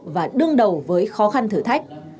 và đứng đầu với khó khăn thử thách